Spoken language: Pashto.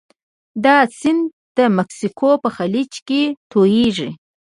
دا سیند د مکسیکو په خلیج کې تویږي.